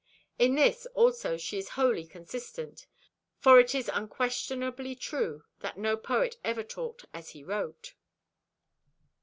In this also she is wholly consistent: for it is unquestionably true that no poet ever talked as he wrote.